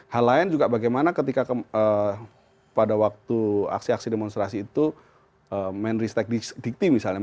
hal lain juga bagaimana ketika pada waktu aksi aksi demonstrasi itu menristek dikti misalnya